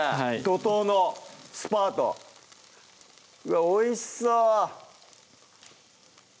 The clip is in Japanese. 怒濤のスパートうわっおいしそう！